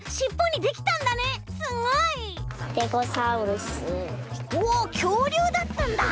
すごい！おっきょうりゅうだったんだ。